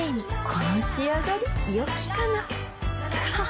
この仕上がりよきかなははっ